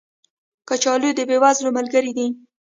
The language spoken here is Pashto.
کچالو د بې وزلو ملګری دی